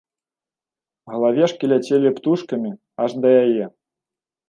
Галавешкі ляцелі птушкамі аж да яе.